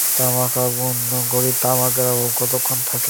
বিড়ালে জিভ নিয়ে গিয়েছে?